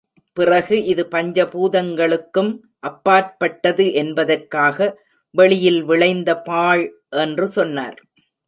பிறகு இது பஞ்ச பூதங்களுக்கும் அப்பாற்பட்டது என்பதற்காக, வெளியில் விளைந்த பாழ் என்று சொன்னார்.